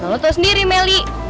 lo tau sendiri meli